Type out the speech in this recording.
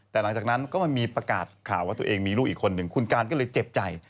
แต่หลังจากนั้นก็มันมีประกาศข่าวว่าตัวเองมีลูกอีกคนหนึ่งคุณการก็เลยเจ็บใจ